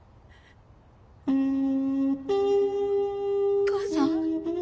お母さん？